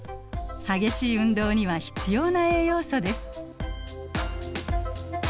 激しい運動には必要な栄養素です。